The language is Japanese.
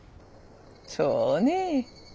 そうね。